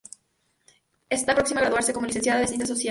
Está próxima a graduarse como Licenciada en Ciencias Sociales.